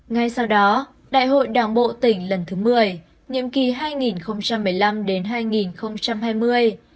ngay sau đó đại hội đảng bộ tỉnh lần thứ một mươi nhiệm kỳ hai nghìn một mươi năm hai nghìn hai mươi